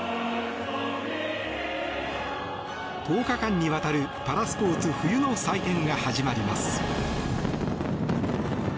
１０日間にわたるパラスポーツ冬の祭典が始まります。